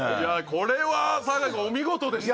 これは酒井君お見事でしたね